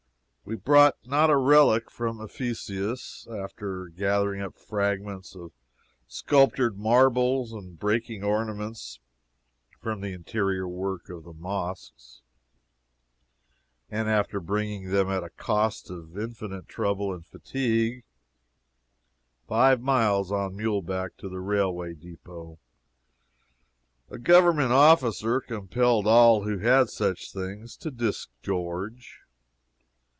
We brought not a relic from Ephesus! After gathering up fragments of sculptured marbles and breaking ornaments from the interior work of the Mosques; and after bringing them at a cost of infinite trouble and fatigue, five miles on muleback to the railway depot, a government officer compelled all who had such things to disgorge!